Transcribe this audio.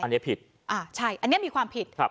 อันนี้ผิดอ่าใช่อันนี้มีความผิด